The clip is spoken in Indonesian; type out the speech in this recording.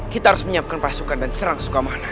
kita harus menyiapkan pasukan dan serang sukamana